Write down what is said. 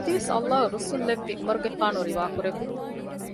އަދިވެސް ﷲ ރުއްސުން ލެއްވި ޢުމަރުގެފާނު ރިވާ ކުރެއްވި